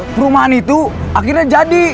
perumahan itu akhirnya jadi